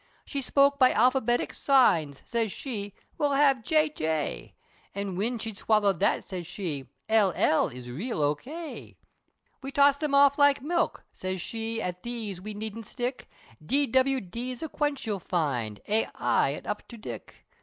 She spoke by alphabetic signs, Siz she, "We'll have J.J. An' whin we swalley'd that, siz she, "L.L. is raal O.K." We tossed them off like milk, siz she, "At these we need'nt stick, D. W. D.'s a quench you'll find, A. I, an' up to Dick!"